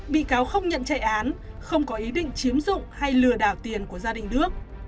bị cáo không nhận chạy án không có ý định chiếm dụng hay lừa đảo tiền của gia đình đức